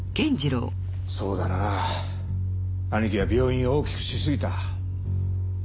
そうだな兄貴は病院を大きくしすぎた。